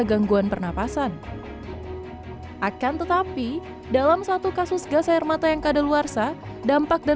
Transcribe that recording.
gangguan pernapasan akan tetapi dalam satu kasus gas air mata yang kadaluarsa dampak dan